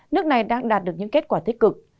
nước này đang đạt được những kết quả tích cực